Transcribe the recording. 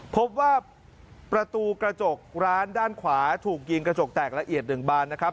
พบว่าประตูกระจกร้านด้านขวาถูกยิงกระจกแตกละเอียด๑บานนะครับ